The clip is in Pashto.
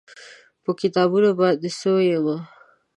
په کتابونو باندې سوی یمه